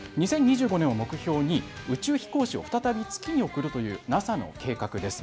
２０２５年を目標に宇宙飛行士を再び月に送るというＮＡＳＡの計画です。